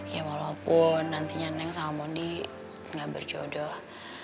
ya walaupun nantinya neng sama mondi gak berjodoh